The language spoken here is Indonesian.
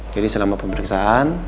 jadi selama pemeriksaan